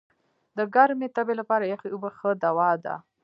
د ګرمي تبي لپاره یخي اوبه ښه دوا ده.